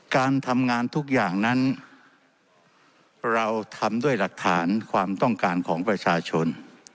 การทำงานทุกอย่างนั้นเราทำด้วยหลักฐานความต้องการของประชาชน